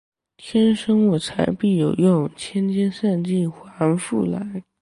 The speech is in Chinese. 天生我材必有用，千金散尽还复来